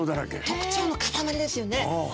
特徴の塊ですよね。